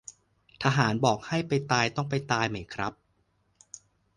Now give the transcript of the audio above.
ทหารบอกให้ไปตายต้องไปตายไหมครับ